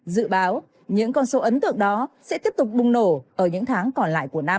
dự báo những con số ấn tượng đó sẽ tiếp tục bùng nổ ở những tháng còn lại của năm